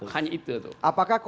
hanya itu tuh